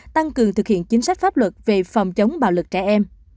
tăng cường thực hiện chính sách pháp luật về phòng chống bạo lực trẻ em